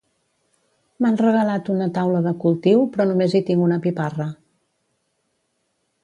M'han regalat una taula de cultiu però només hi tinc una piparra